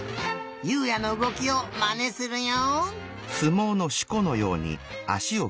優海也のうごきをまねするよ。